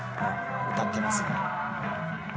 歌っていますね。